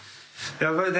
やっぱりね。